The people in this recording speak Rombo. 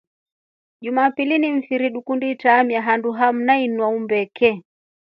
Jumapili ni mfiri tukundi itramia handu ami na inya mbeke.